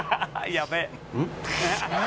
やべえ！」